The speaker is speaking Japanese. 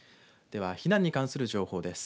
では、避難に関する情報です。